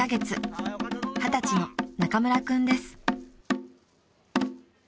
［二十歳の中村君です］